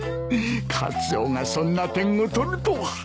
カツオがそんな点を取るとは。